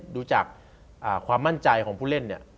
ดูจากความมั่นใจของผู้เล่นเนี่ย